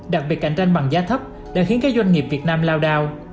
đặc biệt cạnh tranh bằng giá thấp đã khiến các doanh nghiệp việt nam lao đao